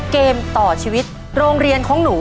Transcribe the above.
ในแคมเปญพิเศษเกมต่อชีวิตโรงเรียนของหนู